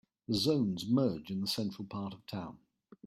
The zones merge in the central part of town.